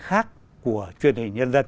khác của truyền hình nhân dân